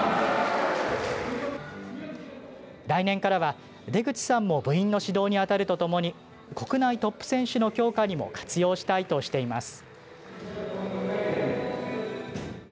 来年からは、出口さんも部員の指導に当たるとともに国内トップ選手の強化にも活用したいとしています。